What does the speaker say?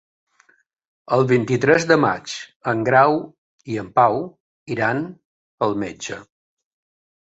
El vint-i-tres de maig en Grau i en Pau iran al metge.